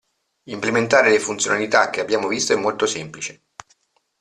Implementare le funzionalità che abbiamo visto è molto semplice!